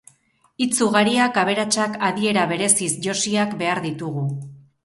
Hitz ugariak, aberatsak, adiera bereziz josiak behar ditugu.